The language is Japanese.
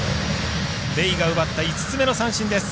レイが奪った５つ目の三振です。